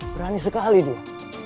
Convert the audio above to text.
berani sekali dia